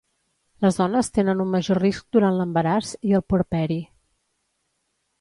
Les dones tenen un major risc durant l'embaràs i el puerperi.